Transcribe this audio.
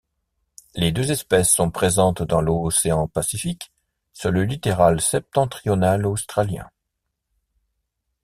Les deux espèces sont présentes dans l'océan pacifique, sur le littoral septentrional australien.